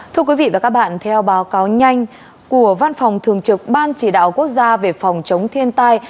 thưa quý vị và các bạn theo báo cáo nhanh của văn phòng thường trực ban chỉ đạo quốc gia về phòng chống thiên tai